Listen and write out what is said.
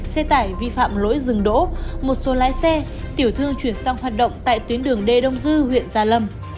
xe tải vi phạm lỗi dừng đỗ một số lái xe tiểu thương chuyển sang hoạt động tại tuyến đường d đông dư huyện gia lâm